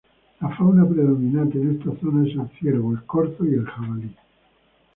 La fauna predominante en esta zona es el ciervo, el corzo y el jabalí.